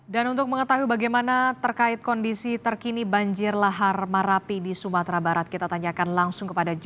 dan untuk mengetahui bagaimana terkait kondisi terkini banjir lahar marapi di sumatera barat kita tanyakan langsung kepada jendela